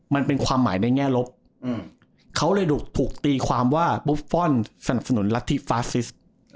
มันเป็นความหมายในแง่ลบเขาเลยถูกตีความว่าบุฟฟอลสนับสนุนรัฐธิฟาซิส